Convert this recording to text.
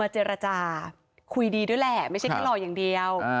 เจรจาคุยดีด้วยแหละไม่ใช่แค่หล่ออย่างเดียว